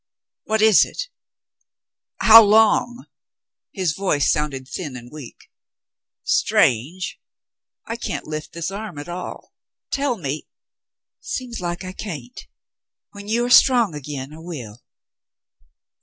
"What is it.'' How long —" His voice sounded thin and weak. ''Strange — I can't lift this arm at all. Tell me —" Seems like I can't. When you are strong again, I will."